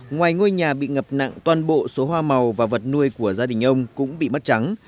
ngoài ngôi nhà bị ngập nặng toàn bộ số hoa màu và vật nuôi của gia đình ông cũng bị mất trắng